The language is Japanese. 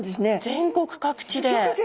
全国各地で。